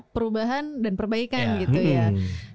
perubahan dan perbaikan gitu ya